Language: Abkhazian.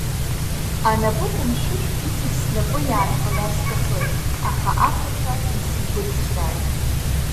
Анапы ҟәымшәышә иҵегь снапы иаанхалар сҭахын, аха афырҳәа инсымпыҵҵәрааит.